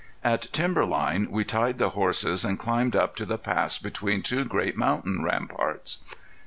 At timber line we tied the horses and climbed up to the pass between two great mountain ramparts.